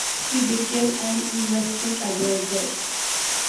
He became an investment adviser.